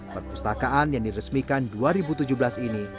perpustakaan yang diresmikan dua ribu tujuh belas ini